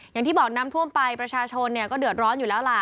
อย่างที่บอกน้ำท่วมไปประชาชนก็เดือดร้อนอยู่แล้วล่ะ